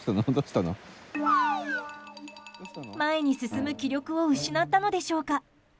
前に進む気力を失ったのでしょうか？